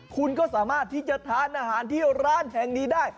คุณก็สามารถที่จะทานอาหารที่ร้านแห่งนี้ได้